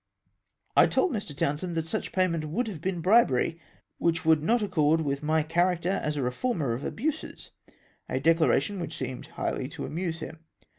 I told Mx. Townsend that such payment would have been bribery, which would not accord with my cha racter as a reformer of abuses — a declaration which seemed highly to amuse him.